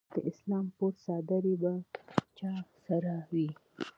د اسلام پور څادرې به چا سره وي؟